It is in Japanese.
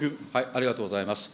ありがとうございます。